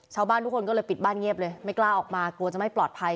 ชาวบ้านทุกคนก็เลยปิดบ้านเงียบเลยไม่กล้าออกมากลัวจะไม่ปลอดภัย